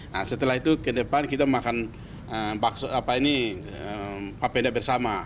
nah setelah itu ke depan kita makan papeda bersama